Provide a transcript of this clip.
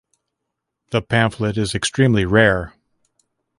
The pamphlet is extremely rare.